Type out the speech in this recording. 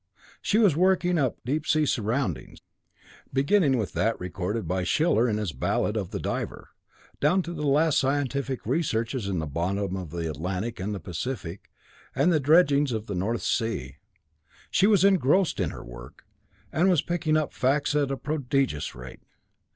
She was working up deep sea soundings, beginning with that recorded by Schiller in his ballad of 'The Diver,' down to the last scientific researches in the bottom of the Atlantic and the Pacific, and the dredgings in the North Sea. She was engrossed in her work, and was picking up facts at a prodigious rate.